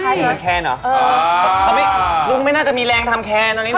ใช่เขาไม่รุ่งไม่น่าจะมีแรงทำแคลนทำไมน่ะ